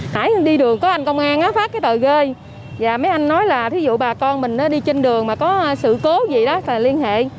phải đi đường có anh công an phát cái tờ rơi và mấy anh nói là thí dụ bà con mình đi trên đường mà có sự cố gì đó là liên hệ